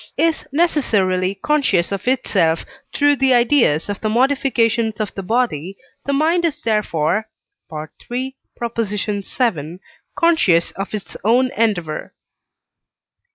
is necessarily conscious of itself through the ideas of the modifications of the body, the mind is therefore (III. vii.) conscious of its own endeavour.